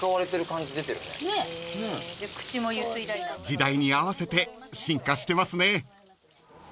［時代に合わせて進化してますね］